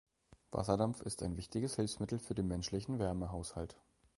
Wasserdampf ist ein wichtiges Hilfsmittel für den menschlichen Wärmehaushalt.